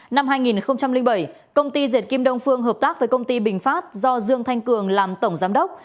năm hai nghìn bảy công ty dệt kim đông phương hợp tác với công ty bình phát do dương thanh cường làm tổng giám đốc